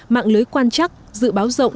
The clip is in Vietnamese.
mạng lưới quan chắc dự báo rộng